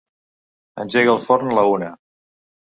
Engega el forn a la una.